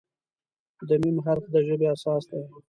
د "م" حرف د ژبې اساس دی.